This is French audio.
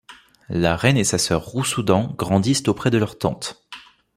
La reine et sa sœur Rousoudan grandissent auprès de leur tante.